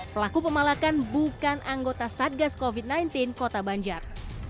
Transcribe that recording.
pelaku pemalakan bukan anggota satgas covid sembilan belas kota banjar